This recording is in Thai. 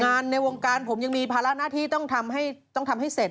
งานในวงการผมยังมีภาระหน้าที่ต้องทำให้เสร็จ